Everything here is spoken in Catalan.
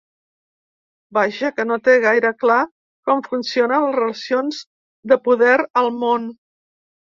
Vaja, que no té gaire clar com funcionen les relacions de poder al món.